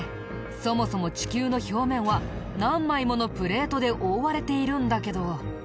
そもそも地球の表面は何枚ものプレートで覆われているんだけど。